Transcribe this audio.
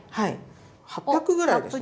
８００ぐらいですね。